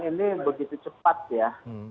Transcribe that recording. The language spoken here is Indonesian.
ini begitu cepat ya